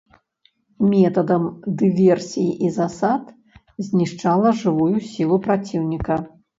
Метадам дыверсій і засад знішчала жывую сілу праціўніка.